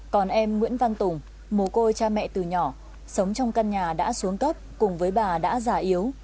còn em nguyễn văn tùng mồ côi cha mẹ từ nhỏ sống trong căn nhà đã xuống cấp cùng với bà đã già yếu